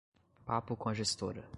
Papo com a gestora